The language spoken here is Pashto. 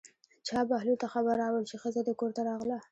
چا بهلول ته خبر راوړ چې ښځه دې کور ته راغله.